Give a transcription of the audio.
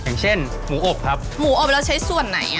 อย่างเช่นหมูอบครับหมูอบเราใช้ส่วนไหนอ่ะ